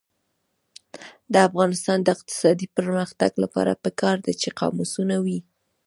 د افغانستان د اقتصادي پرمختګ لپاره پکار ده چې قاموسونه وي.